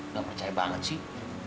gak percaya banget sih